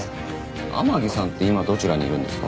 天樹さんって今どちらにいるんですか？